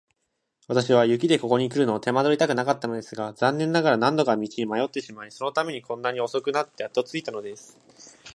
私は雪でここにくるのを手間取りたくなかったのだが、残念ながら何度か道に迷ってしまい、そのためにこんなに遅くなってやっと着いたのです。